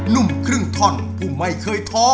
ุ่มครึ่งท่อนผู้ไม่เคยท้อ